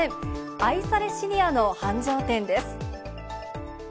愛されシニアの繁盛店です。